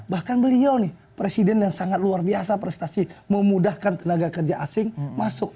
bahkan beliau nih presiden yang sangat luar biasa prestasi memudahkan tenaga kerja asing masuk